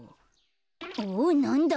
おっなんだ？